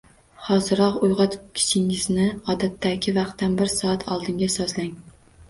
Hoziroq uyg’otkichingizni odatdagi vaqtdan bir soat oldinga sozlang